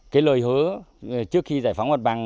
cái lời hứa trước khi giải phóng hoạt bằng